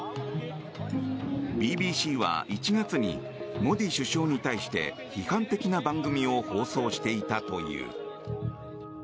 ＢＢＣは１月にモディ首相に対して批判的な番組を放送していたという。